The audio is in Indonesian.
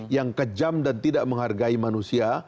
yang kejam dan tidak menghargai manusia